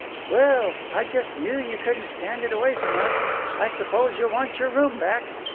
"Well, I just knew you couldn't stand it away from us. I suppose you'll want your room back.